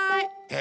え！